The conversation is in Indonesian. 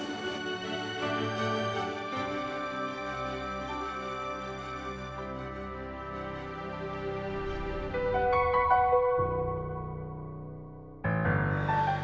aku mau jadi pacar kamu